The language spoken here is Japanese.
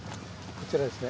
こちらですね